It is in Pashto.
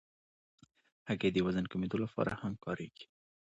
هګۍ د وزن کمېدو لپاره هم کارېږي.